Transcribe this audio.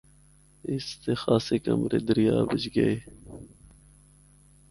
اس دے خاصے کمرے دریا بچ گئے۔